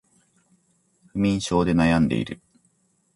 不眠症で悩んでいる